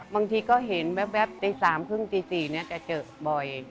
บางทีก็เห็นแบบตีสามครึ่งตีสี่จะเจอบ่อย